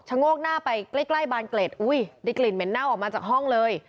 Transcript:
โงกหน้าไปใกล้บานเกล็ดอุ้ยได้กลิ่นเหม็นเน่าออกมาจากห้องเลย